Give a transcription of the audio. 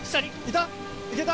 いた？